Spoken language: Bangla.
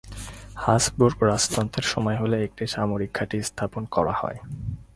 হাবুসবুর্গ রাজতন্ত্রের সময় হলে একটি সামরিক ঘাটি স্থাপন করা হয়।